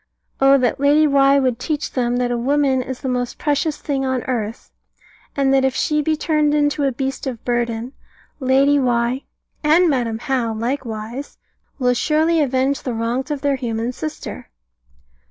Oh that Lady Why would teach them that a woman is the most precious thing on earth, and that if she be turned into a beast of burden, Lady Why and Madam How likewise will surely avenge the wrongs of their human sister!"